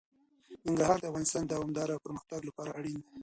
ننګرهار د افغانستان د دوامداره پرمختګ لپاره اړین دي.